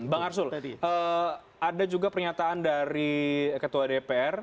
bang arsul ada juga pernyataan dari ketua dpr